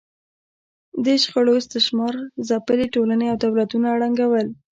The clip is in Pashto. دې شخړو استثمار ځپلې ټولنې او دولتونه ړنګول